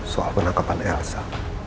soal penangkapan elsa